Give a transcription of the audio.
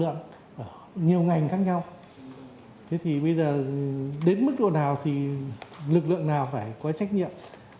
nhiều ngành khác nhau thế thì bây giờ đến mức độ nào thì lực lượng nào phải có trách nhiệm